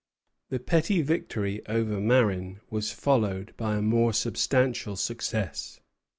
The petty victory over Marin was followed by a more substantial success.